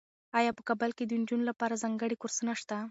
ایا په کابل کې د نجونو لپاره ځانګړي کورسونه شته؟